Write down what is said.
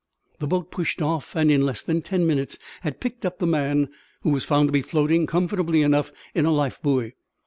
The boat pushed off, and in less than ten minutes had picked up the man, who was found to be floating comfortably enough in a life buoy.